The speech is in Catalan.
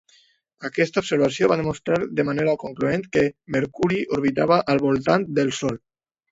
Aquesta observació va demostrar de manera concloent que Mercuri orbitava al voltant del Sol.